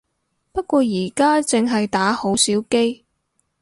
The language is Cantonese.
不過而家淨係打好少機